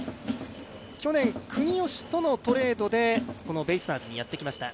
去年、国吉とのトレードでベイスターズにやってきました。